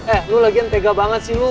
eh lo lagian tega banget sih lo